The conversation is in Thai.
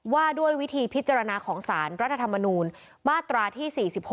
ว่าด้วยวิธีพิจารณาของสารรัฐธรรมนูลมาตราที่๔๖